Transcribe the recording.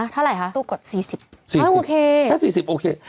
เท่าไหร่ฮะตู้กฎ๔๐ถ้า๔๐โอเค